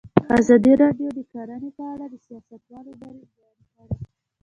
ازادي راډیو د کرهنه په اړه د سیاستوالو دریځ بیان کړی.